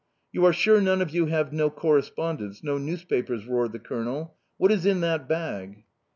"You are sure none of you have no correspondence, no newspapers?" roared the Colonel. "What is in that bag?"